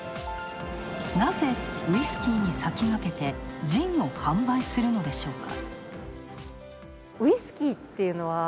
なぜウイスキーに先駆けて、ジンを販売するのでしょうか。